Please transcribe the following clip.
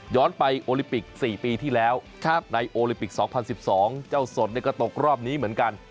ไปโอลิปิก๔ปีที่แล้วในโอลิปิก๒๐๑๒เจ้าสดก็ตกรอบนี้เหมือนกัน